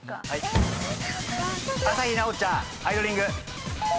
朝日奈央ちゃんアイドリング！！！。